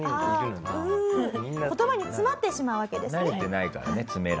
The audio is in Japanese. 言葉に詰まってしまうわけですね。